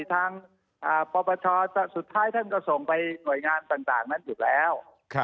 ทางปปชสุดท้ายท่านก็ส่งไปหน่วยงานต่างนั้นอยู่แล้ว